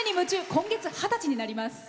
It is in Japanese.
今月、二十歳になります。